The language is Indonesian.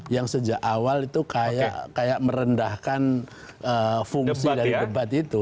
yang sejak awal itu kayak merendahkan fungsi dari debat itu